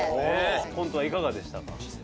コントはいかがでしたか？